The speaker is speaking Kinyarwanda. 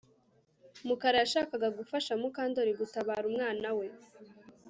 Mukara yashakaga gufasha Mukandoli gutabara umwana we